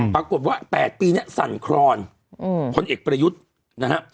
ปรากฏว่า๘ปีนี้สั่นครอนพลเอกประยุทธ์นะฮะ